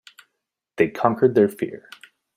They conquered their fear.